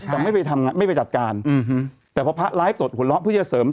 แต่ไม่ไปทำงานไม่ไปจัดการแต่พอพระไลฟ์สดหัวเราะเพื่อจะเสริม